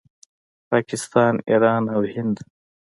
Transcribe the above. پاکستان، ایران او هند